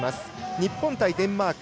日本対デンマーク。